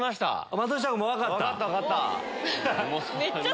松下君も分かった。